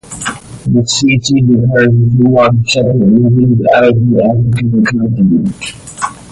This species occurs in two large separate regions of the African continent.